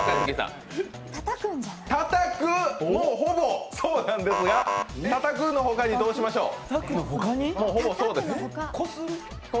ほぼそうなんですが、たたくのほかにどうしましょう？